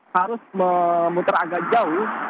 harus memutar agak jauh